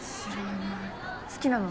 好きなの？